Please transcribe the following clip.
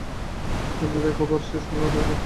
স্বপ্নের এক ওভার শেষ হলো সাকিবের।